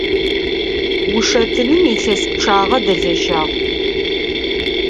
Ушэтыным илъэс пчъагъэ дэлэжьагъ.